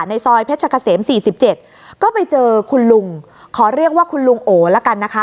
ซอยเพชรกะเสม๔๗ก็ไปเจอคุณลุงขอเรียกว่าคุณลุงโอละกันนะคะ